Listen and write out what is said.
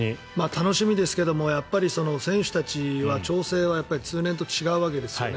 楽しみですけども選手たちは調整は通年と違うわけですよね。